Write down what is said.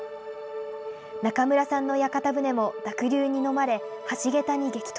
中村さんの屋形船も濁流にのまれ、橋桁に激突。